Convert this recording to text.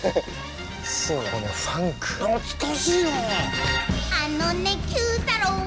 懐かしいな。